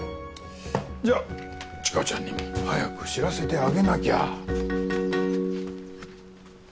じゃ知花ちゃんにも早く知らせてあげなきゃ。